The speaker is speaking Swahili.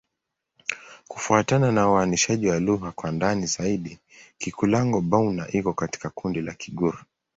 Kufuatana na uainishaji wa lugha kwa ndani zaidi, Kikulango-Bouna iko katika kundi la Kigur.